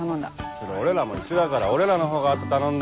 それ俺らも一緒だから俺らのほうが後頼んだ。